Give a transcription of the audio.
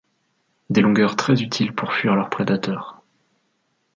Des longueurs très utiles pour fuir leurs prédateurs.